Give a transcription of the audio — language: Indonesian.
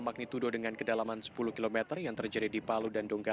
merupakan sesar teraktif di indonesia